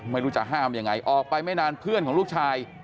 ไม่รู้จะห้ามยังไงออกไปไม่นานเพื่อนของลูกชาย